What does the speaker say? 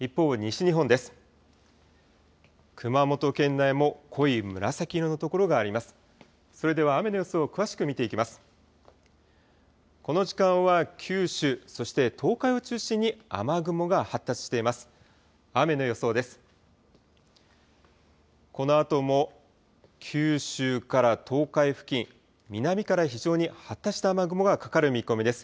このあとも九州から東海付近、南から非常に発達した雨雲がかかる見込みです。